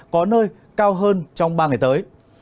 có nơi cao hơn trong ba ngày tới